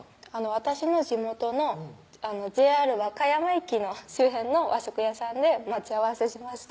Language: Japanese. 私の地元のＪＲ和歌山駅の周辺の和食屋さんで待ち合わせしました